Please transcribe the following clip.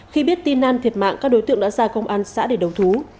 khi biết tin nam thiệt mạng các đối tượng đã ra công an xã để đấu thú